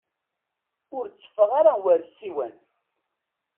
Ur tteffeɣ ara war ssiwan.